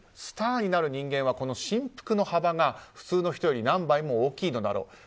スターになる人間はこの振幅の幅が、普通の人より何倍も大きいのだろう。